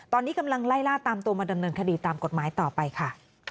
ตอนนี้กำลังไล่ล่าตามตัวมาดำเนินคดีตามกฎหมายต่อไปค่ะ